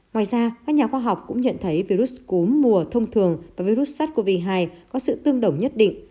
ngoài ra các nhà khoa học cũng nhận thấy virus cúm mùa thông thường và virus sars cov hai có sự tương đồng nhất định